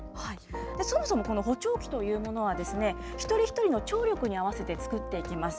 そもそもこの補聴器というものはですね、ひとりひとりの聴力にあわせて作っていきます。